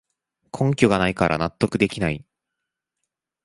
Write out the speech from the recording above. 根拠がないから納得できない